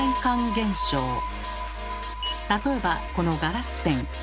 例えばこのガラスペン。